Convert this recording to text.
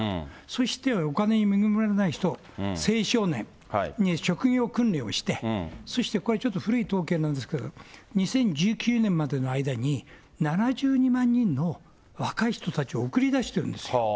そしてお金に恵まれない人、青少年に職業訓練をして、そしてこれ、ちょっと古い統計なんですけれども、２０１９年までの間に、７２万人の若い人たちを送り出しているんです。